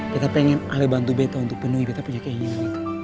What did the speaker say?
kita pengen ale bantu beta untuk penuhi beta punya keinginan